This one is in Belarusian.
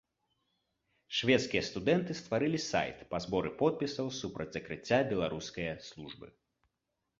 Шведскія студэнты стварылі сайт па зборы подпісаў супраць закрыцця беларускае службы.